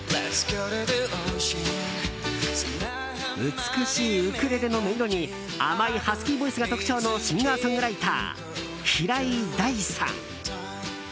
美しいウクレレの音色に甘いハスキーボイスが特徴のシンガーソングライター平井大さん。